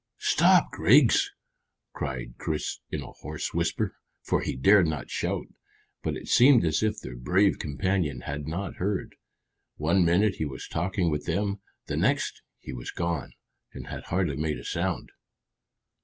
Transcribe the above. "Stop, Griggs!" cried Chris in a hoarse whisper, for he dared not shout; but it seemed as if their brave companion had not heard. One minute he was talking with them, the next he was gone, and had hardly made a sound.